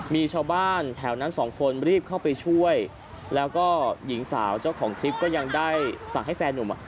มีชาวบ้านแถวนั้นสองคนรีบเข้าไปช่วยแล้วก็หญิงสาวเจ้าของคลิปก็ยังได้สั่งให้แฟนหนุ่มอ่ะ